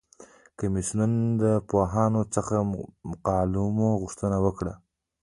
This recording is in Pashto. کمیسیون د پوهانو څخه د مقالو غوښتنه وکړه.